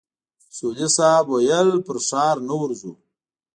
اصولي صیب وويل پر ښار نه ورځو.